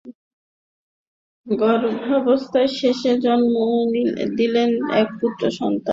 গর্ভাবস্থার শেষে জন্ম দিলেন এক পুত্রসন্তানের।